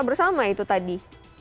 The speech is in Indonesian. bersama itu tadi